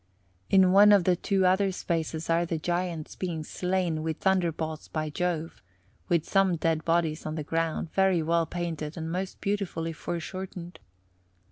In one of the two other spaces are the Giants being slain with thunderbolts by Jove, with some dead bodies on the ground very well painted and most beautifully foreshortened.